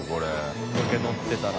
これだけのってたら。